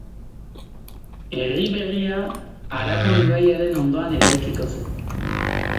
Herri berria, Aragon ibaiaren ondoan eraikiko zen.